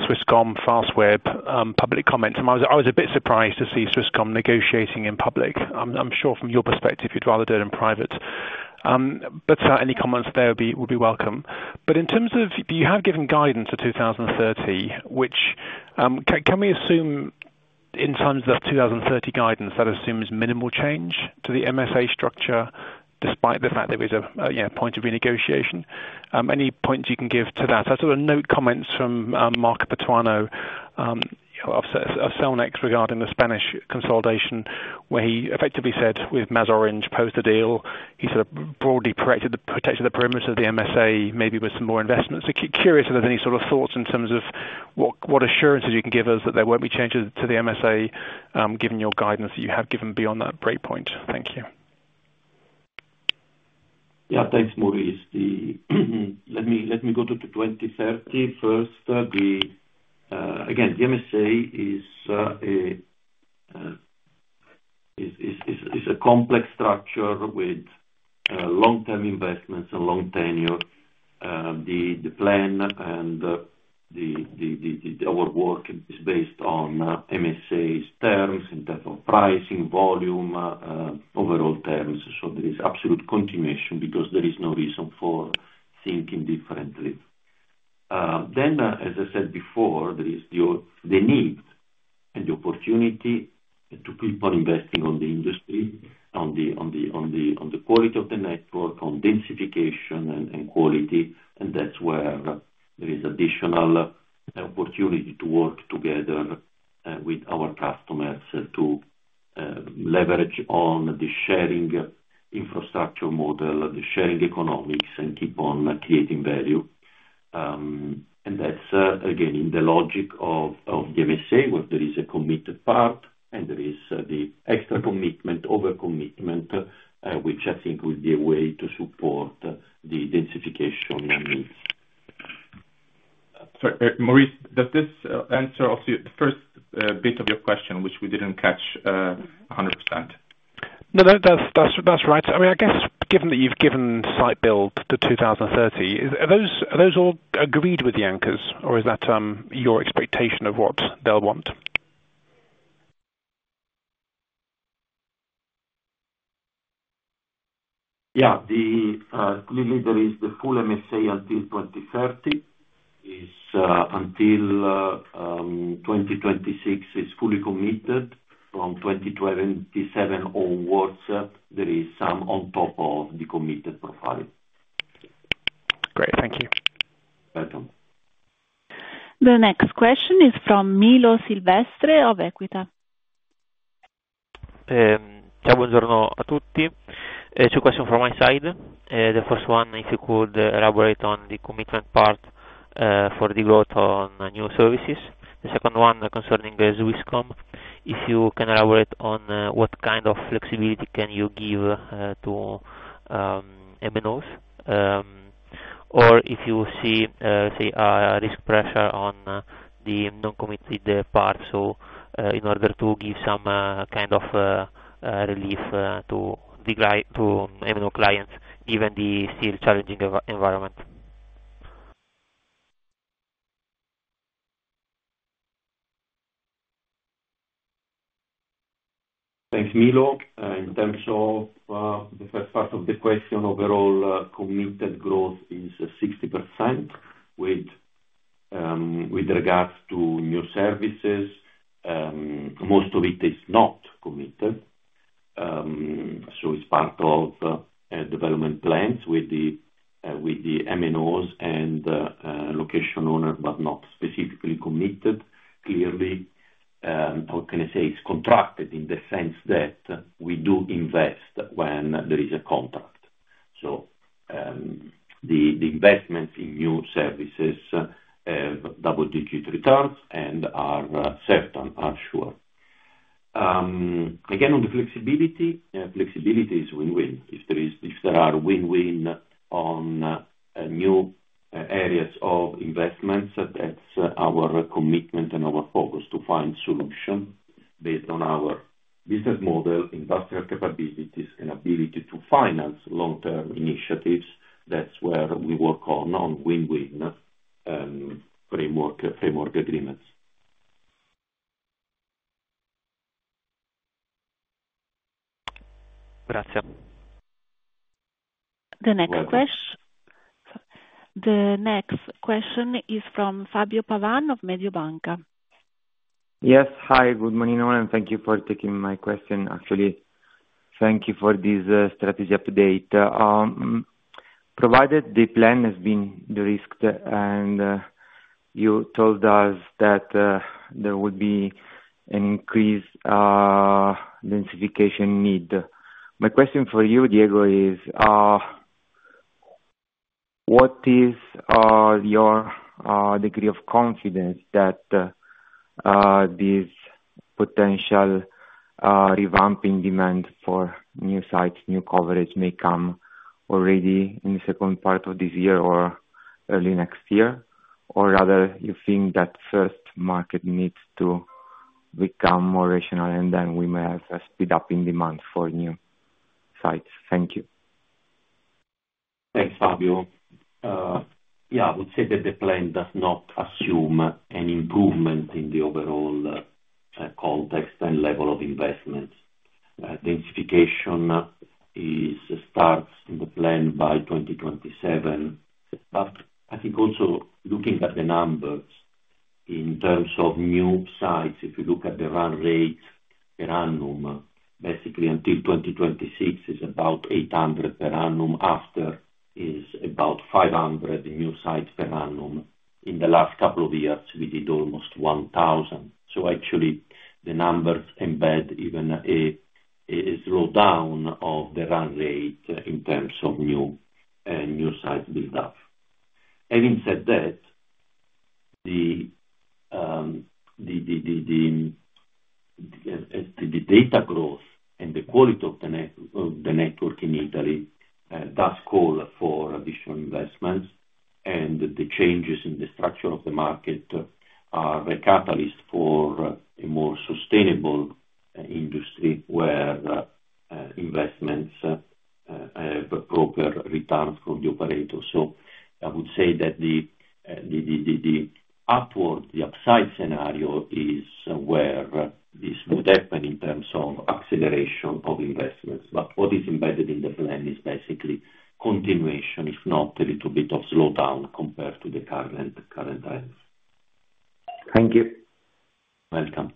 Swisscom Fastweb public comments. And I was a bit surprised to see Swisscom negotiating in public. I'm sure from your perspective you'd rather do it in private. But certainly comments there would be welcome. But in terms of, do you have given guidance for 2030, which can we assume in terms of 2030 guidance that assumes minimal change to the MSA structure despite the fact there is a you know point of renegotiation? Any points you can give to that? I sort of note comments from Marco Patuano of Cellnex regarding the Spanish consolidation, where he effectively said with MASORANGE post the deal, he sort of broadly protected the perimeter of the MSA maybe with some more investments. Curious if there's any sort of thoughts in terms of what assurances you can give us that there won't be changes to the MSA, given your guidance that you have given beyond that breakpoint. Thank you. Yeah, thanks, Maurice. Let me go to 2030 first. Again, the MSA is a complex structure with long-term investments and long tenure. The plan and our work is based on MSA's terms in terms of pricing, volume, overall terms. So there is absolute continuation because there is no reason for thinking differently. Then, as I said before, there is the need and the opportunity to keep on investing on the industry, on the quality of the network, on densification and quality. And that's where there is additional opportunity to work together with our customers to leverage on the sharing infrastructure model, the sharing economics, and keep on creating value. And that's, again, in the logic of the MSA, where there is a committed part and there is the extra commitment, overcommitment, which I think will be a way to support the densification needs. Sorry, Maurice, does this answer also your first bit of your question, which we didn't catch, 100%? No, that's right. I mean, I guess given that you've given site build to 2030, are those all agreed with the anchors, or is that your expectation of what they'll want? Yeah, clearly there is the full MSA until 2030. Until 2026 is fully committed. From 2027 onwards, there is some on top of the committed profile. Great, thank you. Welcome. The next question is from Milo Silvestre of Equita. Ciao, buongiorno a tutti. Two questions from my side. The first one, if you could elaborate on the commitment part, for the growth on new services. The second one concerning Swisscom, if you can elaborate on what kind of flexibility can you give to MNOs, or if you see, say, risk pressure on the non-committed part, so in order to give some kind of relief to the MNO clients, given the still challenging environment. Thanks, Milo. In terms of the first part of the question, overall, committed growth is 60% with regards to new services. Most of it is not committed. So it's part of development plans with the MNOs and location owners, but not specifically committed clearly. How can I say? It's contracted in the sense that we do invest when there is a contract. So the investments in new services have double-digit returns and are certain, sure. Again, on the flexibility, flexibility is win-win. If there is win-win on new areas of investments, that's our commitment and our focus to find solutions based on our business model, industrial capabilities, and ability to finance long-term initiatives. That's where we work on win-win framework agreements. Grazie. The next question is from Fabio Pavan of Mediobanca. Yes, hi, good morning, all. And thank you for taking my question. Actually, thank you for this strategy update. Provided the plan has been risked and you told us that there would be an increase densification need. My question for you, Diego, is what is your degree of confidence that this potential revamping demand for new sites, new coverage may come already in the second part of this year or early next year? Or rather, you think that first market needs to become more rational and then we may have a speed-up in demand for new sites? Thank you. Thanks, Fabio. Yeah, I would say that the plan does not assume an improvement in the overall context and level of investments. Densification starts in the plan by 2027. But I think also looking at the numbers in terms of new sites, if you look at the run rate per annum, basically until 2026 is about 800 per annum. After is about 500 new sites per annum. In the last couple of years, we did almost 1,000. So actually, the numbers embed even a slowdown of the run rate in terms of new sites built up. Having said that, the data growth and the quality of the net of the network in Italy does call for additional investments. And the changes in the structure of the market are a catalyst for a more sustainable industry where investments have proper returns for the operators. So I would say that the upside scenario is where this would happen in terms of acceleration of investments. But what is embedded in the plan is basically continuation, if not a little bit of slowdown compared to the current trends. Thank you. Welcome.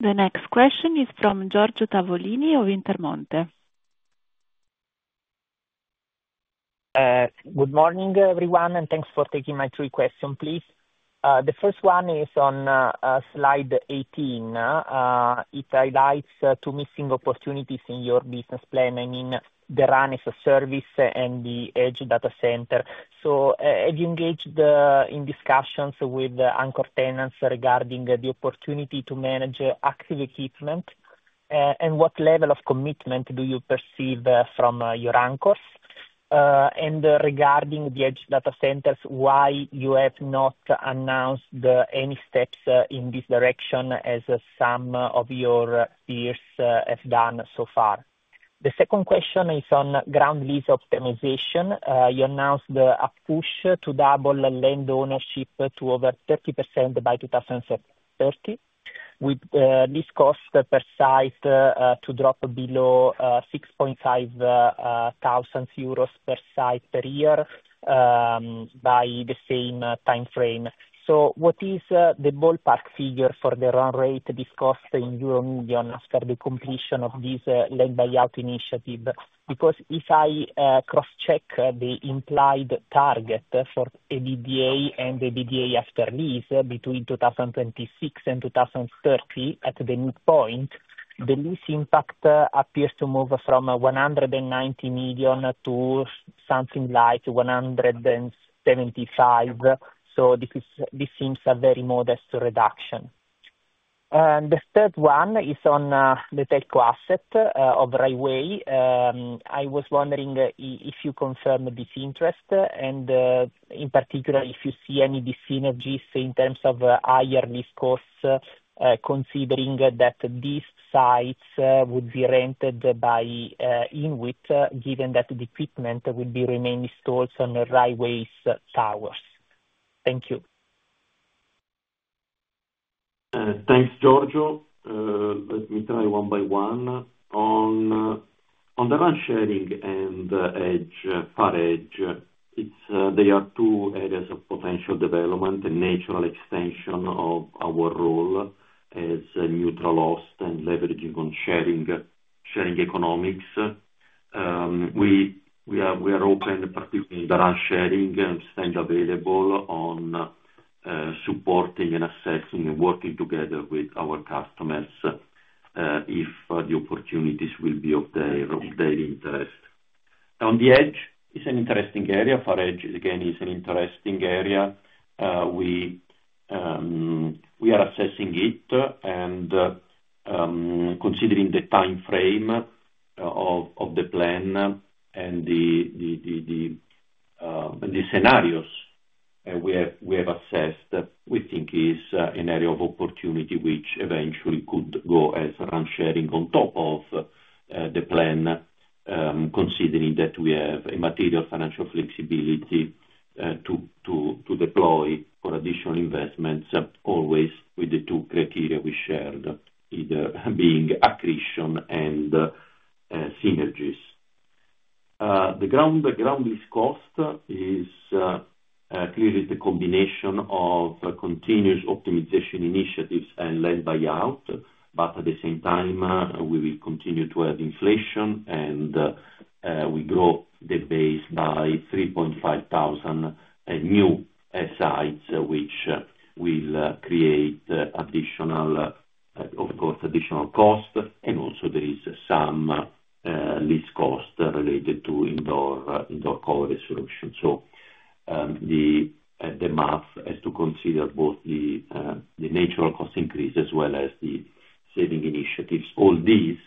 The next question is from Giorgio Tavolini of Intermonte. Good morning, everyone, and thanks for taking my three questions, please. The first one is on slide 18. It highlights two missing opportunities in your business plan and in the RAN as a service and the edge data center, so have you engaged in discussions with Anchor Tenants regarding the opportunity to manage active equipment? And what level of commitment do you perceive from your Anchors? And regarding the edge data centers, why you have not announced any steps in this direction as some of your peers have done so far? The second question is on ground lease optimization. You announced a push to double land ownership to over 30% by 2030, with lease cost per site to drop below 6,500 euros per site per year by the same time frame, so what is the ballpark figure for the run rate discussed in EUR million after the completion of this land buyout initiative? Because if I cross-check the implied target for EBITDA and EBITDA after lease between 2026 and 2030 at the midpoint, the lease impact appears to move from 190 million to something like 175 million. So this seems a very modest reduction. And the third one is on the telco asset of RFI. I was wondering if you confirm this interest and, in particular, if you see dyssynergies in terms of higher lease costs, considering that these sites would be rented by INWIT given that the equipment would be remaining installed on RFI's towers. Thank you. Thanks, Giorgio. Let me try one by one. On the RAN sharing and edge, far edge, there are two areas of potential development and natural extension of our role as neutral host and leveraging on sharing economics. We are open particularly to the RAN sharing and to be available on supporting and assessing and working together with our customers, if the opportunities will be of their interest. On the edge, it's an interesting area. Far edge, again, is an interesting area. We are assessing it and considering the time frame of the plan and the scenarios that we have assessed. We think it is an area of opportunity which eventually could go as RAN sharing on top of the plan, considering that we have a material financial flexibility to deploy for additional investments, always with the two criteria we shared, either being accretion and synergies. The ground lease cost is clearly the combination of continuous optimization initiatives and land buyout. But at the same time, we will continue to have inflation and we grow the base by 3.5 thousand new sites which will create additional, of course, additional cost. And also there is some lease cost related to indoor coverage solution. So the math has to consider both the natural cost increase as well as the saving initiatives. All these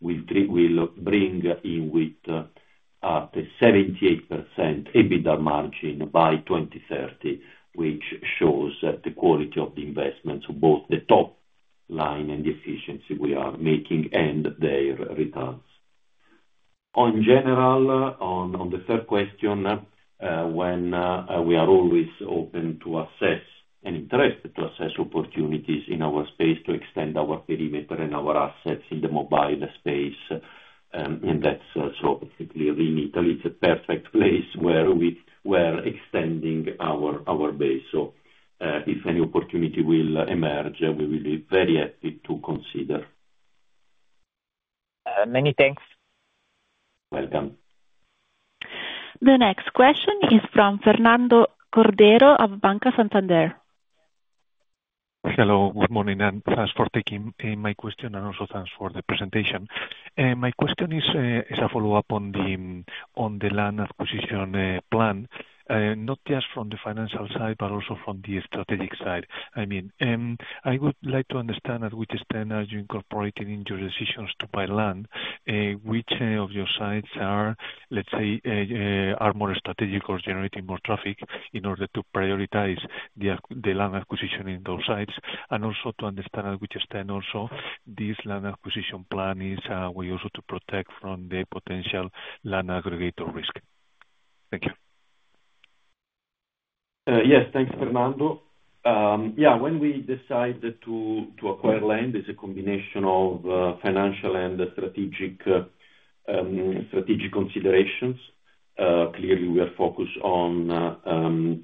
will bring INWIT to a 78% EBITDA margin by 2030, which shows the quality of the investments of both the top line and the efficiency we are making and their returns. In general, on the third question, we are always open to assess and interested to assess opportunities in our space to extend our perimeter and our assets in the mobile space, and that's so particularly in Italy. It's a perfect place where we are extending our base. So, if any opportunity will emerge, we will be very happy to consider. Many thanks. Welcome. The next question is from Fernando Cordero of Banco Santander. Hello, good morning, and thanks for taking my question and also thanks for the presentation. My question is a follow-up on the land acquisition plan, not just from the financial side but also from the strategic side. I mean, I would like to understand at which extent are you incorporating in your decisions to buy land which of your sites are, let's say, more strategic or generating more traffic in order to prioritize the land acquisition in those sites. And also to understand at which extent also this land acquisition plan is a way also to protect from the potential land aggregator risk. Thank you. Yes, thanks, Fernando. Yeah, when we decide to acquire land, it's a combination of financial and strategic considerations. Clearly we are focused on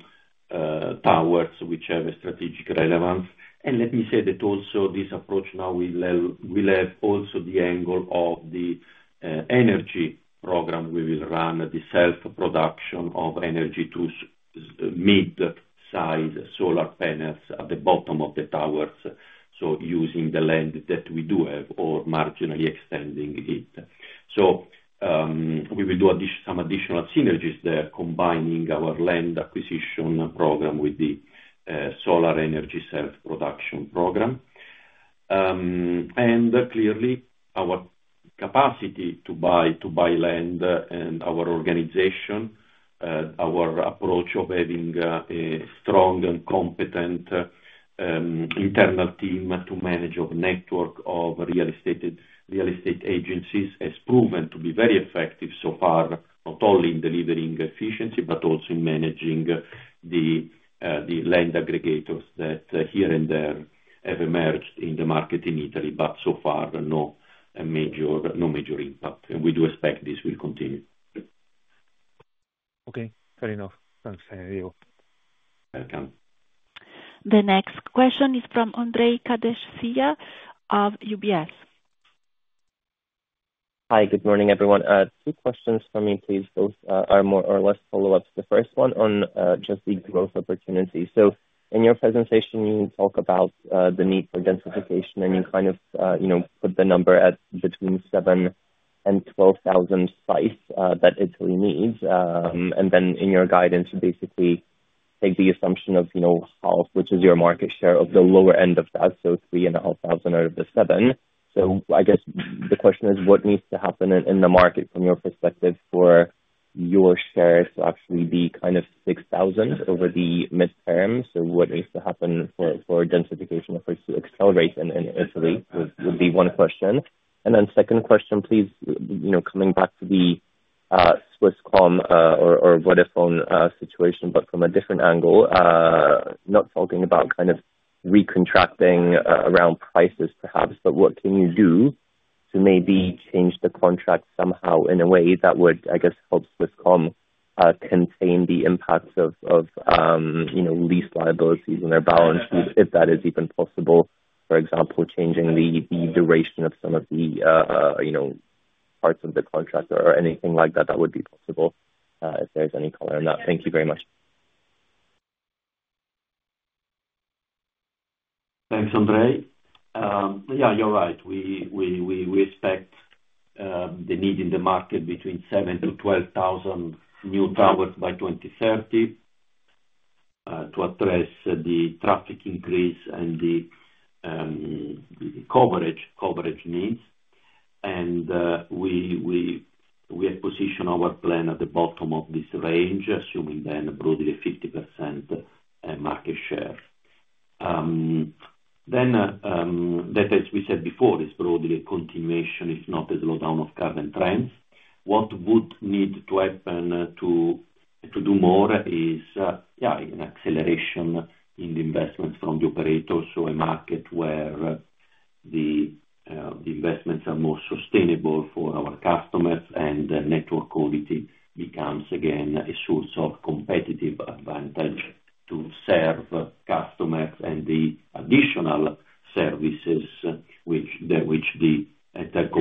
towers which have a strategic relevance. And let me say that also this approach now will have also the angle of the energy program. We will run the self-production of energy with mid-size solar panels at the bottom of the towers. So using the land that we do have or marginally extending it, we will do some additional synergies there combining our land acquisition program with the solar energy self-production program. And clearly our capacity to buy land and our organization, our approach of having a strong and competent internal team to manage our network of real estate agencies has proven to be very effective so far, not only in delivering efficiency but also in managing the land aggregators that here and there have emerged in the market in Italy. But so far, no major impact. And we do expect this will continue. Okay, fair enough. Thanks, Diego. Welcome. The next question is from Andrew Kapadia of UBS. Hi, good morning, everyone. Two questions for me, please. Both are more or less follow-ups. The first one on just the growth opportunity. So in your presentation, you talk about the need for densification and you kind of, you know, put the number at between 7 and 12 thousand sites, that Italy needs. And then in your guidance, you basically take the assumption of, you know, half, which is your market share of the lower end of that, so 3,500 out of the 7,000. So I guess the question is, what needs to happen in the market from your perspective for your share to actually be kind of 6,000 over the midterm? So what needs to happen for densification efforts to accelerate in Italy would be one question. And then second question, please, you know, coming back to the Swisscom, or Vodafone, situation, but from a different angle, not talking about kind of re-contracting, around prices perhaps, but what can you do to maybe change the contract somehow in a way that would, I guess, help Swisscom, contain the impacts of, you know, lease liabilities in their balance sheet if that is even possible? For example, changing the duration of some of the, you know, parts of the contract or anything like that that would be possible, if there's any color on that. Thank you very much. Thanks, Andrew. Yeah, you're right. We expect the need in the market between 7 to 12 thousand new towers by 2030, to address the traffic increase and the coverage needs. We have positioned our plan at the bottom of this range, assuming broadly 50% market share. That, as we said before, is broadly a continuation, if not a slowdown of current trends. What would need to happen to do more is, yeah, an acceleration in the investments from the operators. So a market where the investments are more sustainable for our customers and the network quality becomes again a source of competitive advantage to serve customers and the additional services which the telco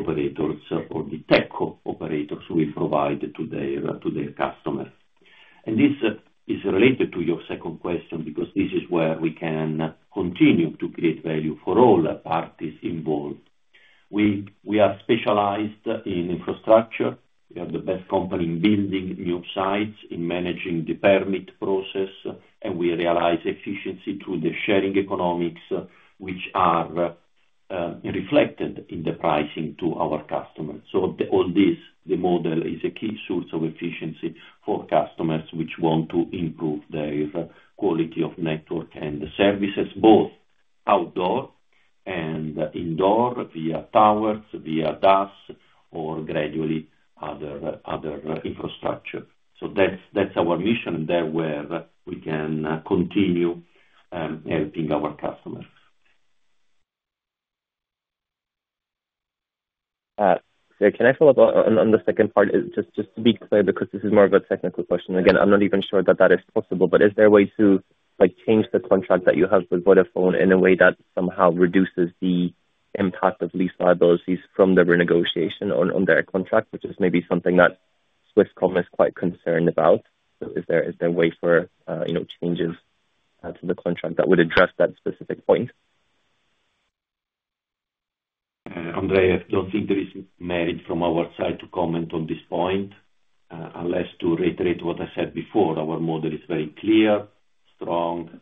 operators will provide to their customers. This is related to your second question because this is where we can continue to create value for all parties involved. We are specialized in infrastructure. We are the best company in building new sites, in managing the permit process, and we realize efficiency through the sharing economics which are reflected in the pricing to our customers. So all this, the model is a key source of efficiency for customers which want to improve their quality of network and services, both outdoor and indoor via towers, via DAS, or gradually other infrastructure. So that's our mission and there where we can continue helping our customers. Can I follow up on the second part? Just to be clear, because this is more of a technical question. Again, I'm not even sure that that is possible, but is there a way to, like, change the contract that you have with Vodafone in a way that somehow reduces the impact of lease liabilities from the renegotiation on their contract, which is maybe something that Swisscom is quite concerned about? So is there a way for, you know, changes to the contract that would address that specific point? Andrew, I don't think there is merit from our side to comment on this point, unless to reiterate what I said before. Our model is very clear, strong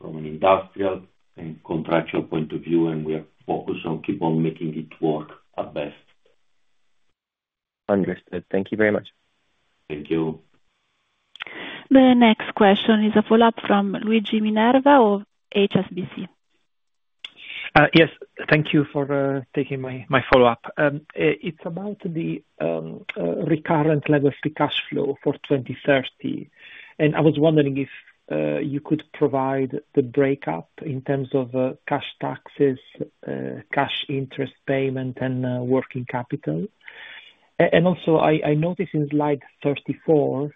from an industrial and contractual point of view, and we are focused on keep on making it work at best. Understood. Thank you very much. Thank you. The next question is a follow-up from Luigi Minerva of HSBC. Yes, thank you for taking my follow-up. It's about the recurring levered cash flow for 2030. I was wondering if you could provide the breakdown in terms of cash taxes, cash interest payment, and working capital. I also noticed in Slide 34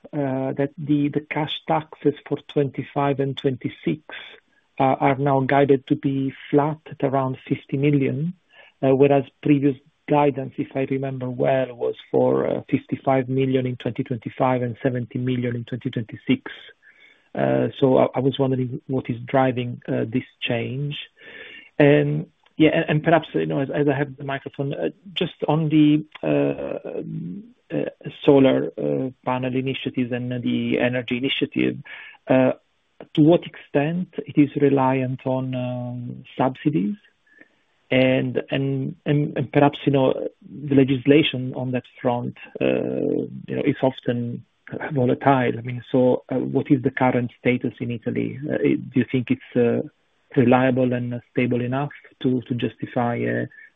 that the cash taxes for 2025 and 2026 are now guided to be flat at around 50 million, whereas previous guidance, if I remember well, was for 55 million in 2025 and 70 million in 2026. I was wondering what is driving this change. Yeah, and perhaps, you know, as I have the microphone, just on the solar panel initiatives and the energy initiative, to what extent it is reliant on subsidies and perhaps, you know, the legislation on that front, you know, is often volatile. I mean, what is the current status in Italy? Do you think it's reliable and stable enough to justify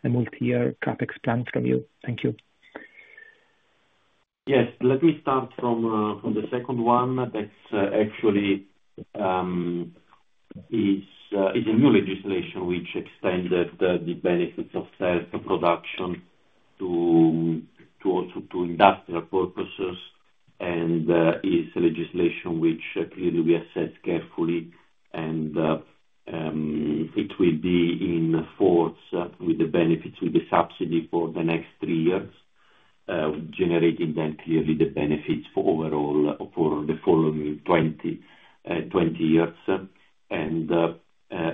a multi-year CapEx plan from you? Thank you. Yes, let me start from the second one that's actually a new legislation which extended the benefits of self-production to also to industrial purposes. It's a legislation which clearly we assess carefully and it will be in force with the benefits, with the subsidy for the next three years, generating then clearly the benefits for overall for the following 20 years.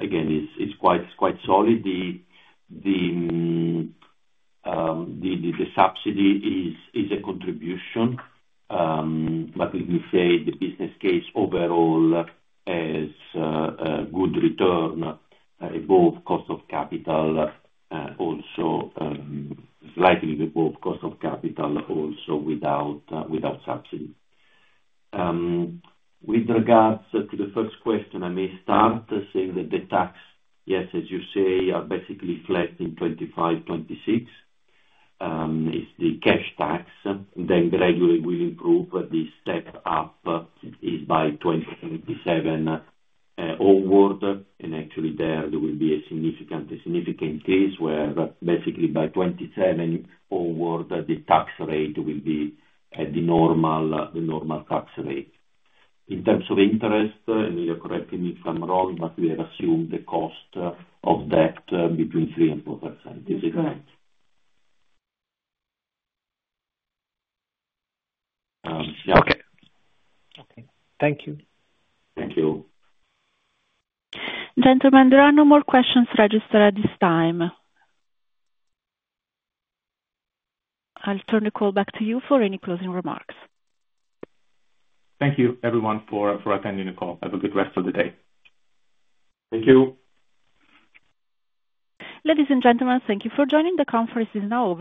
Again, it's quite solid. The subsidy is a contribution, but we will say the business case overall has a good return, above cost of capital, also slightly above cost of capital also without subsidy. With regards to the first question, I may start saying that the tax, yes, as you say, are basically flat in 2025, 2026. It's the cash tax. Then gradually we'll improve the step up is by 2027 onward. And actually there will be a significant increase where basically by 2027 onward the tax rate will be at the normal tax rate. In terms of interest, and you're correcting me if I'm wrong, but we have assumed the cost of debt between 3% and 4%. Is it correct? Yeah. Okay. Thank you. Gentlemen, there are no more questions registered at this time. I'll turn the call back to you for any closing remarks. Thank you, everyone, for attending the call. Have a good rest of the day. Thank you. Ladies and gentlemen, thank you for joining. The conference is now over.